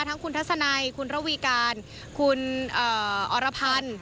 ทั้งคุณทัศนัยคุณระวีการคุณอรพันธ์